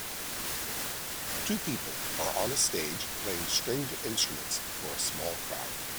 Two people are on a stage playing stringed instruments for a small crowd